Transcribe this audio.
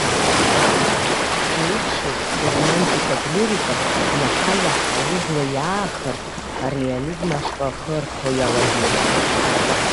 Тиутчев иромантикатә лирика иаҳа-иаҳа, убла иаахартә, ареализм ашҟа ахы архо иалагеит.